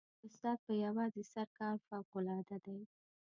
د استاد په یوازې سر کار فوقالعاده دی.